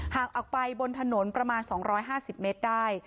ห่างออกไปบนถนนประมาณ๒๕๐เมตรได้